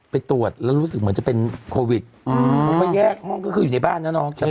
ไปตรวจแล้วรู้สึกเหมือนจะเป็นโควิดเพราะว่าแยกห้องก็คืออยู่ในบ้านนะเนาะ